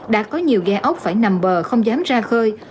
đã có nhiều ghe ốc phải nằm bờ không dám ra khơi